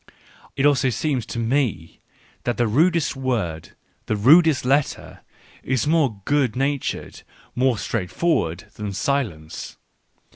It also seems to me that the rudest word, the rudest letter, is more jjood natured, more straightforward, than silence.